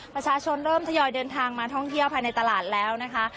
ประชาชนเริ่มทยอยเดินทางมาท่องเที่ยวภายในตลาดแล้วนะคะ